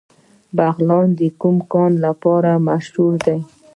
بغلان د کوم کان لپاره مشهور دی؟